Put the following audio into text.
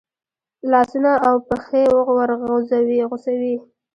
لاسونه او پښې ورغوڅوي.